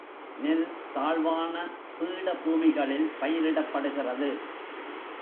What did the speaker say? நெல் தாழ்வான பீட பூமிகளில் பயிரிடப்படுகிறது.